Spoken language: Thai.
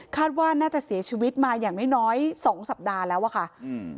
ว่าน่าจะเสียชีวิตมาอย่างน้อยน้อยสองสัปดาห์แล้วอ่ะค่ะอืม